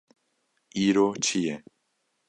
Îro çi ye?